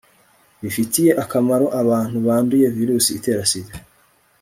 rifitiye akamaro abantu banduye virusi itera sida